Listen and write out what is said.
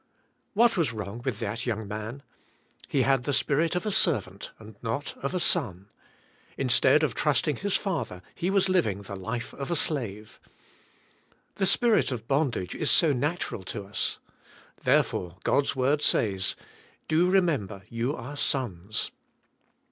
V7hat was wrong with that young man? He had the spirit of a servant and not of a son. Instead of trusting his father he was living the life of a slave. The spirit of bondag e is so natural to us. Therefore God's word says, do re member you are sons.